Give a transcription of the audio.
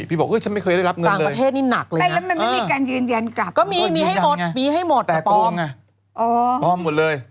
พี่บอกว่าฉันไม่เคยได้รับเงินเลย